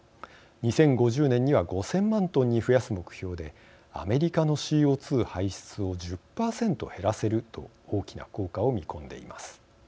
２０５０年には５，０００万トンに増やす目標でアメリカのＣＯ２排出を１０％減らせると大きな効果を見込んでいます。